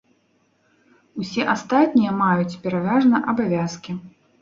Усе астатнія маюць пераважна абавязкі.